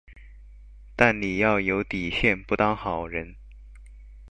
但你要有底線不當好人